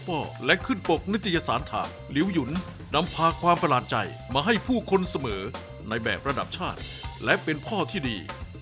เป็นผู้คนเสมอในแบบระดับชาติและเป็นพ่อที่ดี